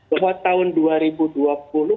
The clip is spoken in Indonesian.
bahwa tahun dua ribu dua puluh